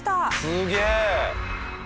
すげえ！